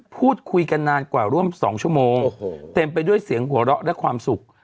พูดคุยกันนานกว่าร่วม๒ชั่วโมงเต็มไปด้วยเสียงหัวเราะและความสุข